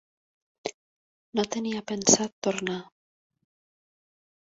No tenia pensat tornar.